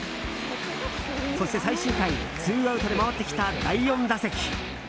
そして最終回ツーアウトで回ってきた第４打席。